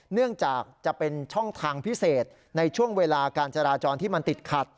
เนื่องจากจะเป็นช่องทางพิเศษในช่วงเวลาการจราจรที่มันติดขัด